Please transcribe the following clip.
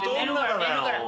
寝るから。